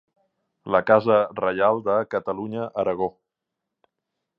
La casa reial de Catalunya-Aragó.